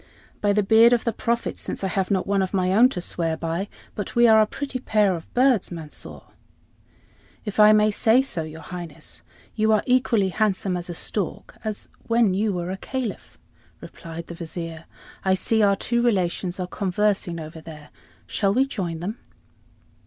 "By the beard of the Prophet, since I have not one of my own to swear by, but we are a pretty pair of birds, Mansor!" "If I may say so, your Highness, you are equally handsome as a stork as when you were a Caliph," replied the Vizier. "I see our two relations are conversing over there; shall we join them?"